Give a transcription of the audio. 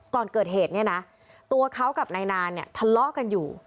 ก่อนเกิดเหตุเนี่ยนะตัวเขากับนายนานเนี่ยทะเลาะกันอยู่